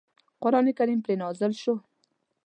قرآن کریم پرې نازل شو.